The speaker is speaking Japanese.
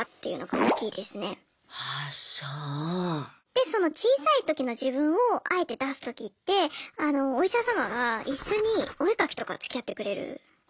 でその小さい時の自分をあえて出すときってお医者様が一緒にお絵描きとかつきあってくれる。